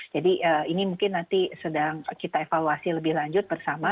jadi ini mungkin nanti sedang kita evaluasi lebih lanjut bersama